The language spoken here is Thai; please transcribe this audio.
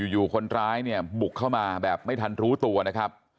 อยู่คนร้ายเนี่ยบุกเข้ามาแบบไม่ทันรู้ตัวนะครับ